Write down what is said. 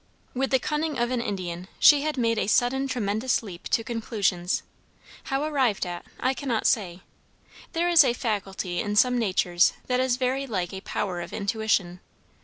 With the cunning of an Indian, she had made a sudden tremendous leap to conclusions; how arrived at, I cannot say; there is a faculty in some natures that is very like a power of intuition.